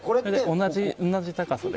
同じ高さで。